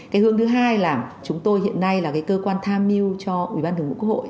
cái hướng thứ hai là chúng tôi hiện nay là cái cơ quan tham mưu cho ủy ban thường vụ quốc hội